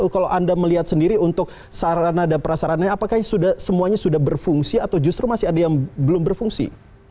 kalau anda melihat sendiri untuk sarana dan prasarananya apakah semuanya sudah berfungsi atau justru masih ada yang belum berfungsi